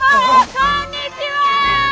こんにちは！